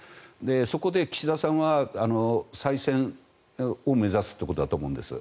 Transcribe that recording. そこで岸田さんは再選を目指すということだと思うんです。